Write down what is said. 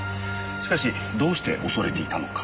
しかしどうして恐れていたのか？